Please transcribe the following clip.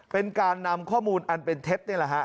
เป็นการนำข้อมูลอันเป็นเท็จนี่แหละฮะ